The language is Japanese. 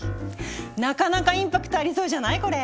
なかなかインパクトありそうじゃないこれ？